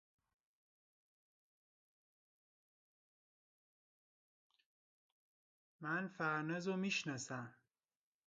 They are short narratives, addressed to nobody in particular.